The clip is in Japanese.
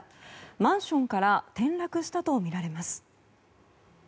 マンションから転落したとみられます。